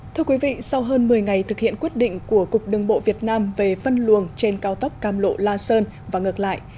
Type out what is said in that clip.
thưa quý vị sau hơn một mươi ngày thực hiện quyết định của cục đường bộ việt nam về phân luồng trên cao tốc cam lộ la sơn và ngược lại